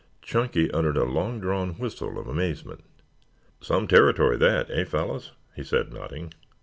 Chunky uttered a long drawn whistle of amazement. "Some territory that, eh, fellows?" he said, nodding.